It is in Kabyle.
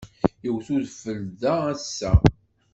Iwet udfel da ass-a.